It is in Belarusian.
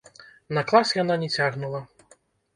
На клас яна не цягнула.